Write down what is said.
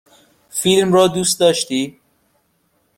فیلم را دوست داشتی؟